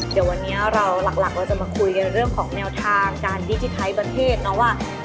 เดี๋ยววันนี้เราหลักเราจะมาคุยกันเรื่องของแนวทางการดิจิทัลประเทศเนาะว่า